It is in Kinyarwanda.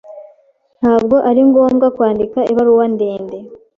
Ntabwo ari ngombwa kwandika ibaruwa ndende.